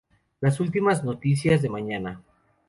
Las últimas noticias de mañana...